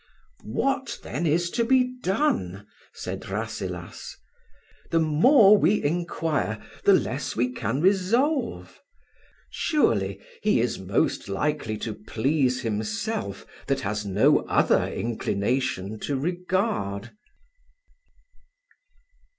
"What then is to be done?" said Rasselas. "The more we inquire the less we can resolve. Surely he is most likely to please himself that has no other inclination to regard."